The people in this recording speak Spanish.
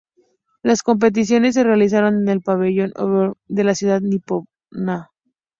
Las competiciones se realizaron en el Pabellón Osaka-jo de la ciudad nipona.